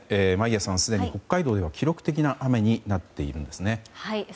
眞家さん、すでに北海道では記録的な大雨になっているんですね。